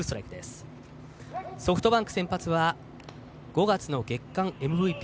ソフトバンク先発は５月の月間ＭＶＰ